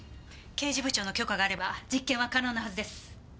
刑事部長の許可があれば実験は可能なはずです。